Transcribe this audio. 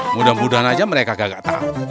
mudah mudahan aja mereka gak tahu